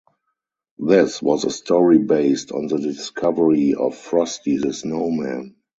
This was a story based on the discovery of Frosty the Snowman.